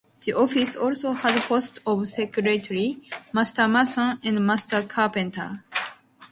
The office also had posts of Secretary, Master Mason and Master Carpenter.